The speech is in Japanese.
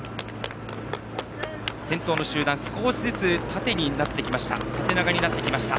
先頭の集団は少しずつ縦長になってきました。